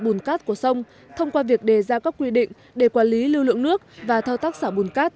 bùn cát của sông thông qua việc đề ra các quy định để quản lý lưu lượng nước và thao tác xả bùn cát